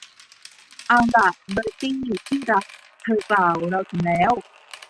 เอาล่ะ เบอร์ตี้ ที่รัก เธอกล่าว เราถึงแล้ว